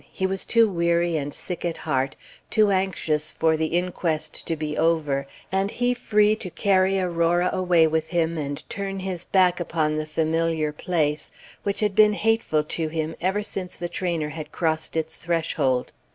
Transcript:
He was too weary and sick at heart, too anxious for the inquest to be over, and he free to carry Aurora away with him, and turn his back upon the familiar place, which had been hateful to him ever since the trainer had crossed its threshold.